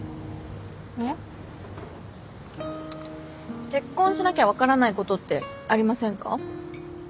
えっ？結婚しなきゃ分からないことってありませんか？